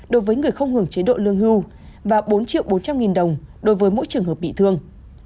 đối với người không hưởng chế độ lương hưu và bốn triệu bốn trăm linh nghìn đồng đối với mỗi trường hợp bị thương